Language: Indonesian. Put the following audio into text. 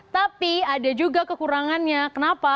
tapi ada juga kekurangannya kenapa